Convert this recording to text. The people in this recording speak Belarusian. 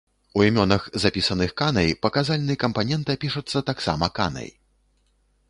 У імёнах, запісаных канай, паказальны кампанента пішацца таксама канай.